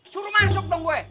suruh masuk dong gue